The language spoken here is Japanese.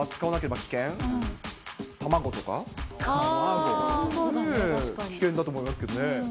危険だと思いますけどね。